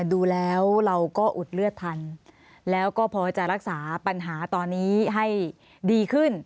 ดูแล้วเราก็อุดเลือดทันแล้วก็พอจะรักษาปัญหาตอนนี้ให้ดีขึ้น